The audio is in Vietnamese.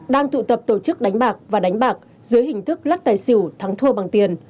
đang tụ tập tổ chức đánh bạc và đánh bạc dưới hình thức lắc tài xỉu thắng thua bằng tiền